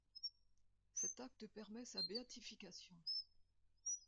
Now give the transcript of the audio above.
Cet acte permet sa béatification.